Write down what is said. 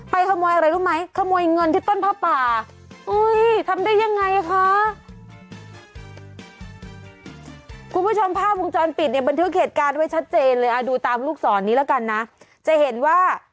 ไปขโมยอะไรรู้ไหมขโมยเงินให้ต้นผ้าป่า